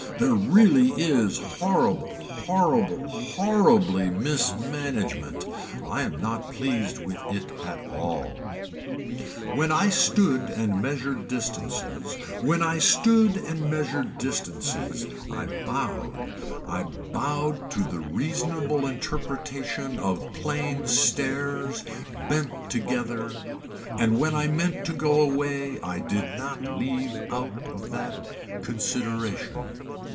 There really is horrible horrible horribly mismanagement. I am not pleased with it at all. When I stood and measured distances when I stood and measured distances I bowed I bowed to the reasonable interpretation of plain stairs bent together and when I meant to go away I did not leave out of that, consideration.